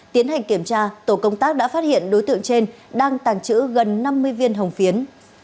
tiến hành kiểm tra tổ công tác đã phát hiện đối tượng trên đang tàng trữ gần năm mươi viên hồng phiến